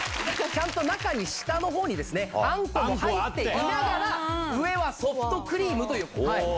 中に下の方にあんこも入っていながら上はソフトクリームという。